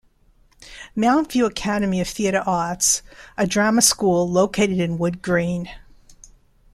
Mountview Academy of Theatre Arts, a drama school located in Wood Green.